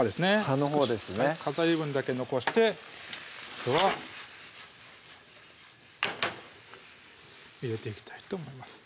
葉のほうですね飾り分だけ残してあとは入れていきたいと思います